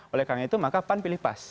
oleh karena itu maka pan pilih pas